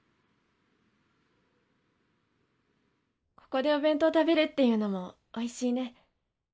ここでお弁当食べるっていうのもおいしいね。